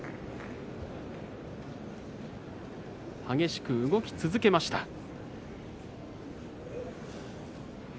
激しく動き続けました。